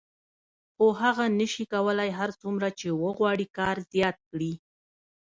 خو هغه نشي کولای هر څومره چې وغواړي کار زیات کړي